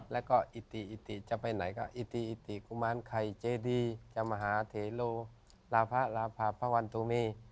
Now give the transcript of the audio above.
แล้วก็อิติอิติจะไปไหนก็อิติอิติกุมารไข่เจดีจะมหาเทโลลาพระราภาพพระวันตุมี